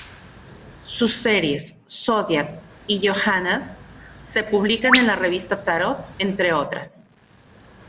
Sus series "Zodiac" y "Johannes", se publican en la revista Tarot, entre otras.